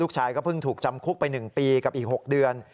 ชายก็เพิ่งถูกจำคุกไป๑ปีกับอีก๖เดือน